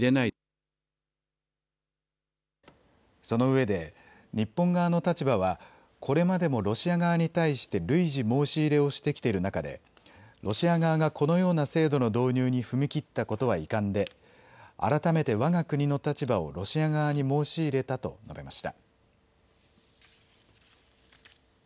そのうえで日本側の立場はこれまでもロシア側に対して累次申し入れをしてきている中でロシア側がこのような制度の導入に踏み切ったことは遺憾で改めてわが国の立場をロシア側に申し入れたと述べました。